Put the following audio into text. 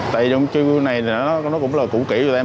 tại trong chương trình này thì nó cũng là củ kỷ của tụi em